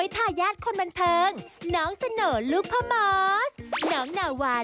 โปรดติดตามตอนต่อไป